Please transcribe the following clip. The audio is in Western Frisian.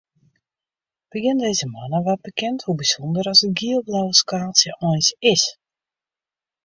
Begjin dizze moanne waard bekend hoe bysûnder as it giel-blauwe skaaltsje eins is.